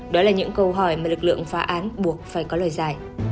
đó là những câu hỏi mà lực lượng phá án buộc phải có lời giải